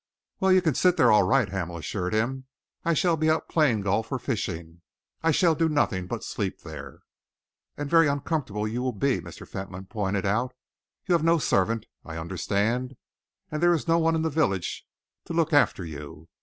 "Well, you can sit there all right," Hamel assured him. "I shall be out playing golf or fishing. I shall do nothing but sleep there." "And very uncomfortable you will be," Mr. Fentolin pointed out. "You have no servant, I understand, and there is no one in the village fit to look after you.